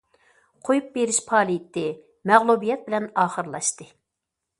قويۇپ بېرىش پائالىيىتى مەغلۇبىيەت بىلەن ئاخىرلاشتى.